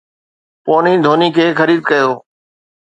پوني ڌوني کي خريد ڪيو